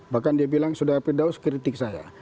bahkan dia bilang sudah firdaus kritik saya